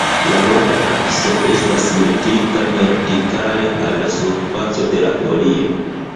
La longa akso estas metita vertikale al la surfaco de la folio.